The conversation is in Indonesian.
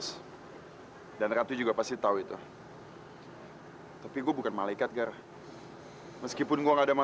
sampai jumpa di video selanjutnya